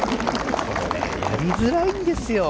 やりづらいんですよ。